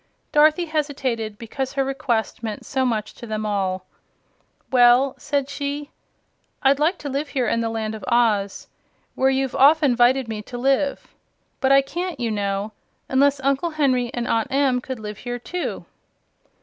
Dorothy hesitated, because her request meant so much to them all. "Well," said she, "I'd like to live here in the Land of Oz, where you've often 'vited me to live. But I can't, you know, unless Uncle Henry and Aunt Em could live here too."